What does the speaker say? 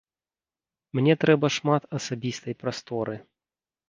Мне трэба шмат асабістай прасторы.